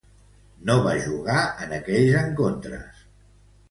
No va jugar en aquells encontres.